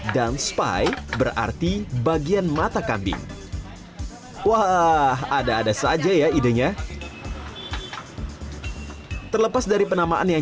dan spai berarti bagian mata kambing wah ada ada saja ya idenya terlepas dari penamaan yang